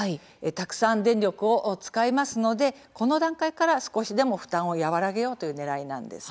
たくさん電力を使いますのでこの段階から少しでも負担を和らげようというねらいなんです。